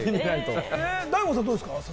大門さんはどうですか？